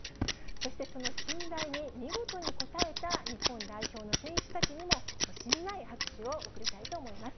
そしてその信頼に見事に応えた日本代表の選手たちにも、惜しみない拍手を送りたいと思います。